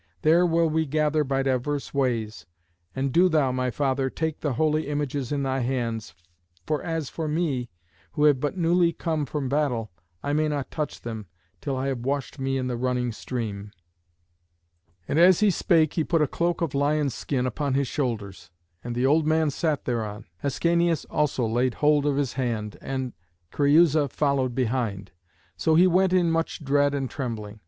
There will we gather by divers ways. And do thou, my father, take the holy images in thy hands, for as for me, who have but newly come from battle, I may not touch them till I have washed me in the running stream." [Illustration: ÆNEAS AND THE SHADE OF CREÜSA.] And as he spake he put a cloak of lion's skin upon his shoulders, and the old man sat thereon. Ascanius also laid hold of his hand, and Creüsa followed behind. So he went in much dread and trembling.